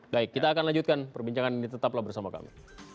baik kita akan lanjutkan perbincangan ini tetaplah bersama kami